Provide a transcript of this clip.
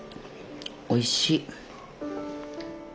おいしい。